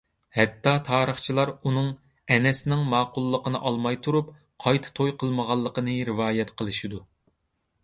ھەتتا تارىخچىلار ئۇنىڭ ئەنەسنىڭ ماقۇللۇقىنى ئالماي تۇرۇپ، قايتا توي قىلمىغانلىقىنى رىۋايەت قىلىشىدۇ.